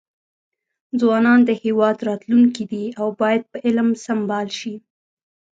ځوانان د هیواد راتلونکي دي او باید په علم سمبال شي.